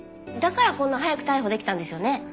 だからこんな早く逮捕できたんですよね？